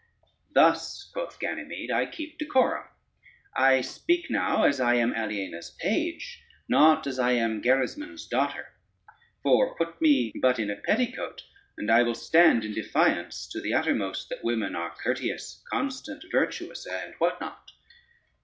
"Thus," quoth Ganymede, "I keep decorum: I speak now as I am Aliena's page, not as I am Gerismond's daughter; for put me but into a petticoat, and I will stand in defiance to the uttermost, that women are courteous, constant, virtuous, and what not."